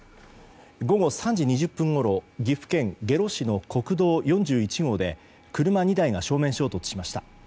午後３時２０分ごろ岐阜県下呂市の国道４１号で車２台が正面衝突しました。